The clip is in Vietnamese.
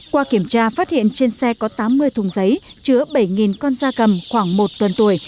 qua kiểm tra phát hiện trên xe có tám mươi thùng giấy chứa bảy con da cầm khoảng một tuần tuổi